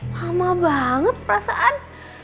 lama banget perasaan